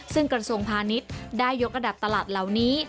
ซึ่งกระทรวงพาณิชย์ได้ยกระดับตลาดเหล่านี้